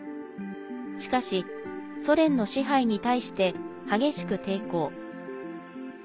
しかし、ソ連の支配に対して激しく抵抗。